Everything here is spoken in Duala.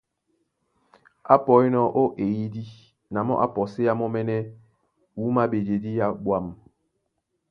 Á pɔínɔ̄ ó eyídí, na mɔ́ á pɔséá mɔ́mɛ́nɛ́ wúma á ɓejedí yá ɓwâm,